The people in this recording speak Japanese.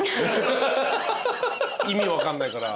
意味分かんないから。